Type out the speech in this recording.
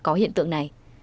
có hiện tượng này